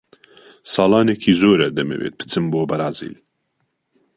ساڵانێکی زۆرە دەمەوێت بچم بۆ بەرازیل.